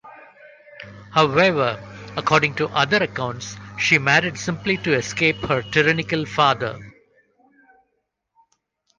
However, according to other accounts, she married simply to escape her tyrannical father.